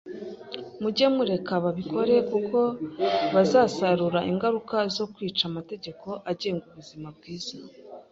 mujye mureka babikore, kuko bazasarura ingaruka zo kwica amategeko agenga ubuzima bwiza.